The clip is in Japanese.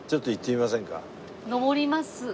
上ります。